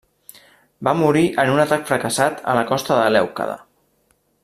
Va morir en un atac fracassat a la costa de Lèucada.